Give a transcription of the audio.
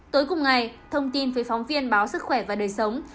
tối cùng ngày thông tin với phóng viên báo sức khỏe và đời sống